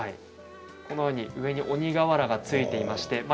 このように上に鬼がわらが付いていまして。